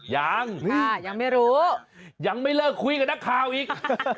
ยังยังไม่รู้ยังไม่เลิกคุยกับนักข่าวอีก